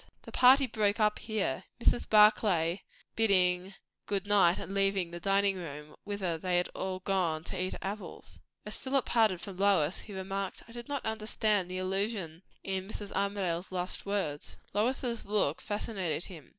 The party broke up here, Mrs. Barclay bidding good night and leaving the dining room, whither they had all gone to eat apples. As Philip parted from Lois he remarked, "I did not understand the allusion in Mrs. Armadale's last words." Lois's look fascinated him.